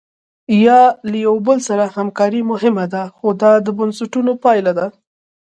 یا له یو بل سره همکاري مهمه ده خو دا د بنسټونو پایله ده.